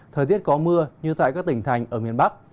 thời tiết có mưa như tại các tỉnh thành ở miền bắc